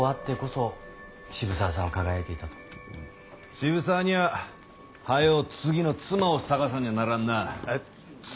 渋沢には早う次の妻を探さんにゃならんな。え？妻？